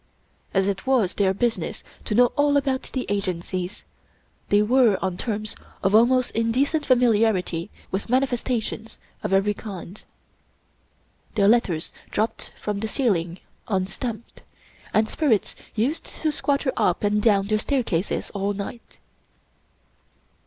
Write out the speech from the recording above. As it was their business to know all about the agencies, they were on terms of almost indecent familiarity with manifestations of every kind. Their letters dropped from the ceiling — ^un stamped—and spirits used to squatter up and down their staircases all night.